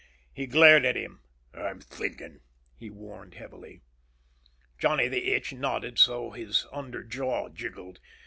He glared at him. "I'm thinking," he warned heavily. Johnny the Itch nodded so his under jaw jiggled.